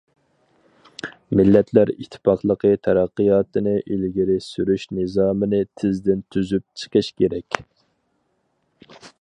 مىللەتلەر ئىتتىپاقلىقى تەرەققىياتىنى ئىلگىرى سۈرۈش نىزامىنى تېزدىن تۈزۈپ چىقىش كېرەك.